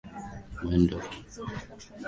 mwendo wa meli haukuruhusu kubadilisha kozi haraka